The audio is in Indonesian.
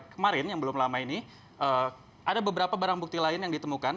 kemarin yang belum lama ini ada beberapa barang bukti lain yang ditemukan